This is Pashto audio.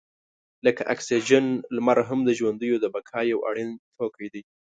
لکه اکسیجن، لمر هم د ژوندیو د بقا یو اړین توکی دی.